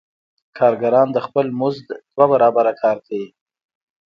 کارګران د خپل مزد دوه برابره کار کوي